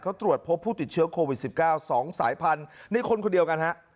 เขาตรวจพบผู้ติดเชื้อโครวิด๑๙สองสายพันในคนเดียวกัน